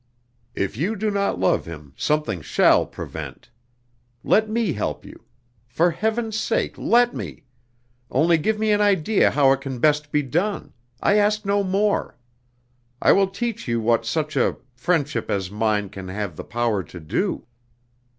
"If you do not love him something shall prevent. Let me help you. For heaven's sake, let me! Only give me an idea how it can best be done I ask no more. I will teach you what such a friendship as mine can have the power to do."